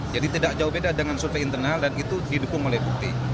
jadi tidak jauh beda dengan survei internal dan itu didukung oleh bukti